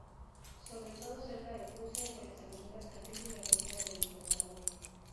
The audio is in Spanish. Sobre todo cerca del cruce con las Avenida Cabildo y Avenida del Libertador.